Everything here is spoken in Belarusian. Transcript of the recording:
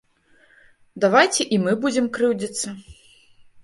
Давайце і мы будзем крыўдзіцца.